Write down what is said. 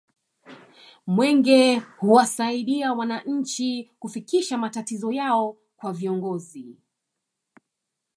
mwenge huwasaidia wananchi kufikisha matatizo yao kwa viongozi